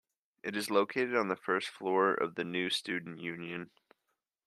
It is located on the first floor of the new Student Union.